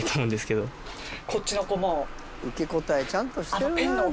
受け答えちゃんとしてるなでも。